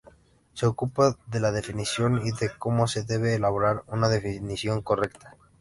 Se ocupa de la definición y de cómo se debe elaborar una definición correcta.